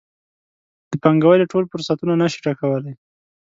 د پانګونې ټول فرصتونه نه شي ډکولی.